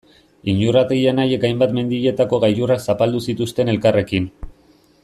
Iñurrategi anaiek hainbat mendietako gailurrak zapaldu zituzten elkarrekin.